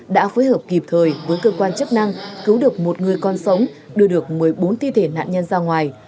đã phối hợp kịp thời với cơ quan chức năng cứu được một người con sống đưa được một mươi bốn thi thể nạn nhân ra ngoài